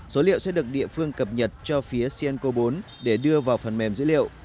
số liệu sẽ được địa phương cập nhật cho phía sienco bốn để đưa vào phần mềm dữ liệu